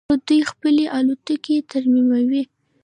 خو دوی خپلې الوتکې ترمیموي.